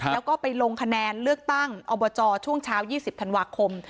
แล้วก็ไปลงคะแนนเลือกตั้งอบจช่วงเช้า๒๐ธันวาคม